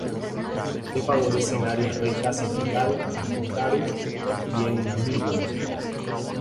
Le favorecen áreas ricas en cal en el Karoo y en Namibia.